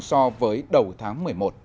so với đầu tháng một mươi một